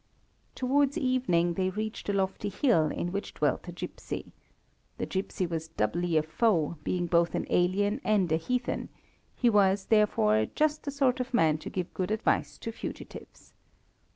Towards evening they reached a lofty hill, in which dwelt a gipsy. The gipsy was doubly a foe, being both an alien and a heathen, he was, therefore, just the sort of man to give good advice to fugitives.